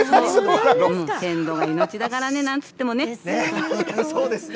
鮮度が命だからね、なんといってそうですね。